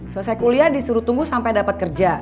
selesai kuliah disuruh tunggu sampe dapet kerja